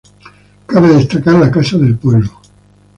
Cabe destacar la Casa del Pueblo.